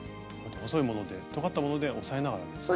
細い物でとがった物で押さえながらですかね？